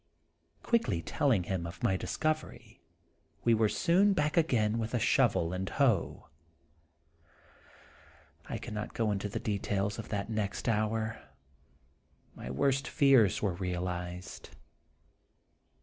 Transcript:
Quickly telling him of my discovery, we were soon back again with a shovel and hoe. I cannot go into the details of that next hour. My worst fears were realized.